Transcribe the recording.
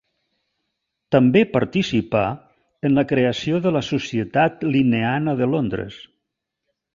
També participà en la creació de la Societat Linneana de Londres.